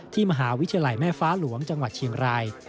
มหาวิทยาลัยแม่ฟ้าหลวงจังหวัดเชียงราย